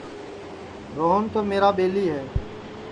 روہن تو میرا ٻیلی ہے